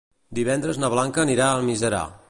Divendres na Blanca anirà a Almiserà.